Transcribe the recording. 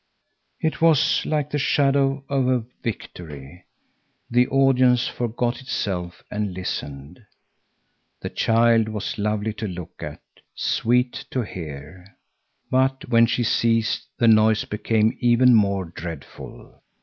It was like the shadow of a victory. The audience forgot itself and listened. The child was lovely to look at, sweet to hear. But when she ceased, the noise became even more dreadful.